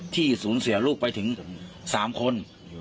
ที่สูญเสียลูกไปถึง๓คน